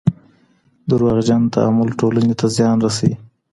دروغجن تعامل ټولني ته زیان رسوي.